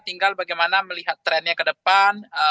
tinggal bagaimana melihat trennya ke depan